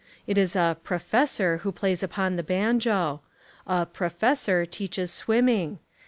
It is a "profes sor" who plays upon the banjo. A "professor" teaches swimming.